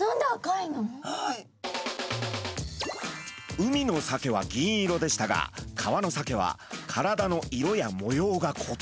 海のサケは銀色でしたが川のサケは体の色や模様が異なります。